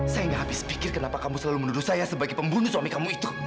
saya gak habis pikir kenapa kamu selalu menuduh saya sebagai pembunuh suami kamu itu